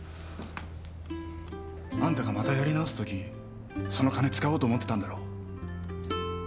あんたがまたやり直すときその金使おうと思ってたんだろ。